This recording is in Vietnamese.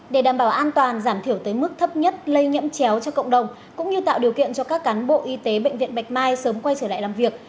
để đảm bảo an toàn giảm thiểu tới mức thấp nhất lây nhiễm chéo cho cộng đồng cũng như tạo điều kiện cho các cán bộ y tế bệnh viện bạch mai sớm quay trở lại làm việc